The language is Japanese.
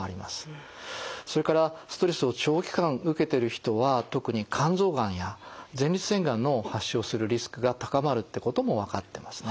それからストレスを長期間受けてる人は特に肝臓がんや前立腺がんの発症するリスクが高まるってこともわかってますね。